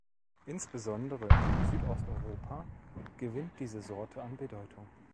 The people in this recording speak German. Insbesondere in Südosteuropa gewinnt diese Sorte an Bedeutung.